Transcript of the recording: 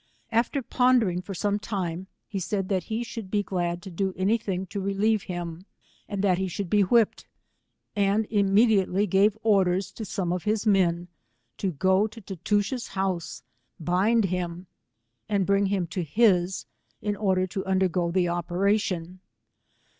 After pondering for some time, he said that he should be glad to do any thing to relieve him, and that he should be whipped, and immediately gave orders to some, of his men to go to Tootoosch's house, bind him, and bring him to his, in order to undergo the operation.